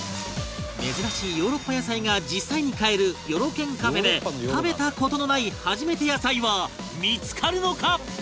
珍しいヨーロッパ野菜が実際に買えるヨロ研カフェで食べた事のない初めて野菜は見付かるのか？